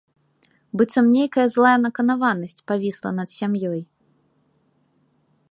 Быццам нейкая злая наканаванасць павісла над сям'ёй.